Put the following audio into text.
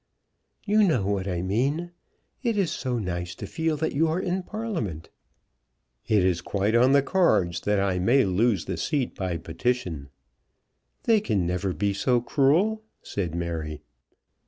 "You know what I mean. It is so nice to feel that you are in Parliament." "It is quite on the cards that I may lose the seat by petition." "They never can be so cruel," said Mary.